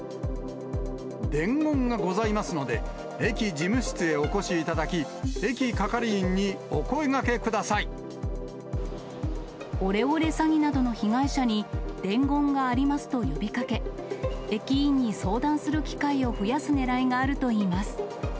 伝言がございますので、駅事務室へお越しいただき、オレオレ詐欺などの被害者に、伝言がありますと呼びかけ、駅員に相談する機会を増やすねらいがあるといいます。